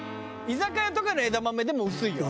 居酒屋とかの枝豆でも薄いよ。